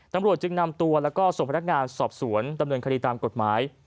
ตำรวจจึงนำตัวแล้วก็ส่งพนักงานสอบสวนดำเนินคดีตามกฎหมาย